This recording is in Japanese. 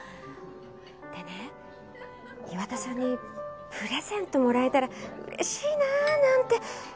でね岩田さんにプレゼントもらえたら嬉しいななんて。